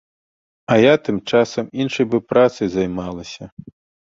А я тым часам іншай бы працай займалася.